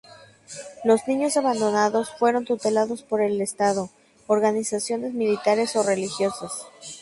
Los niños abandonados fueron tutelados por el Estado, organizaciones militares o religiosas.